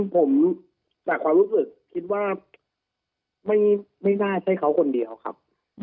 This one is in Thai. ผมจากความรู้สึกคิดว่าไม่น่าใช่เขาคนเดียวครับ